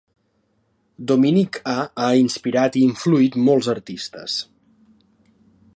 Dominique A ha inspirat i influït molts artistes.